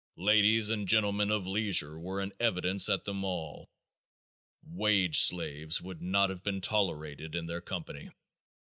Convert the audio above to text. Ladies and gentlemen of leisure were in evidence at them all. Wage slaves would not have been tolerated in their company.